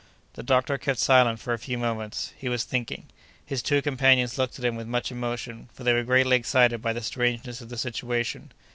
The doctor kept silent for a few moments; he was thinking. His two companions looked at him with much emotion, for they were greatly excited by the strangeness of the situation.